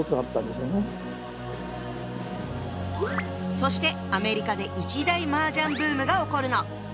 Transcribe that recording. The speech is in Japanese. そしてアメリカで一大マージャンブームが起こるの。